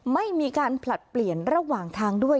ไม่มีการผลัดเปลี่ยนระหว่างทางด้วย